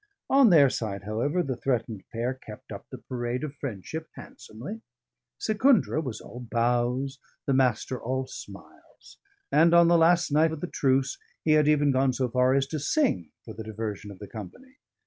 On their side, however, the threatened pair kept up the parade of friendship handsomely; Secundra was all bows, the Master all smiles; and on the last night of the truce he had even gone so far as to sing for the diversion of the company.